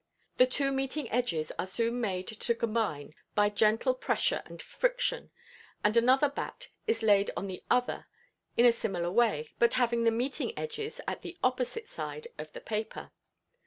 The two meeting edges are soon made to combine by gentle pressure and friction, and another "batt" is laid on the other in a similar way, but having the meeting edges on the opposite side of the paper.